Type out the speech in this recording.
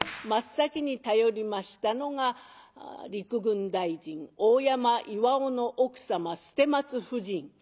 真っ先に頼りましたのが陸軍大臣大山巌の奥様捨松夫人。